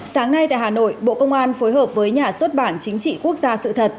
sáng nay tại hà nội bộ công an phối hợp với nhà xuất bản chính trị quốc gia sự thật